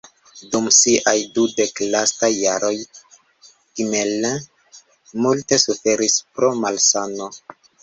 Dum siaj dudek lastaj jaroj Gmelin multe suferis pro malsano.